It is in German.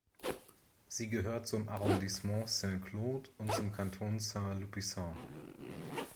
Sie gehört zum Arrondissement Saint-Claude und zum Kanton Saint-Lupicin.